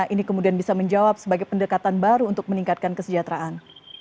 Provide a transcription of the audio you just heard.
ini kemudian bisa menjawab sebagai pendekatan baru untuk meningkatkan kesejahteraan